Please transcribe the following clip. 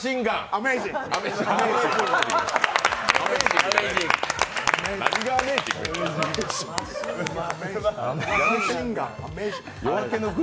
アメイジング！